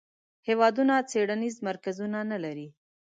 هیوادونه څیړنیز مرکزونه نه لري.